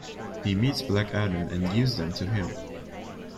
He meets Black Adam and gives them to him.